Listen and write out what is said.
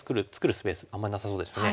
スペースあんまなさそうですね。